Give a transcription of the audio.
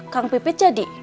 kang pipit jadi